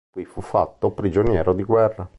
Qui fu fatto prigioniero di guerra.